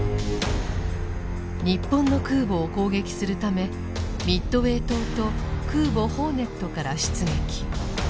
日本の空母を攻撃するためミッドウェー島と空母「ホーネット」から出撃。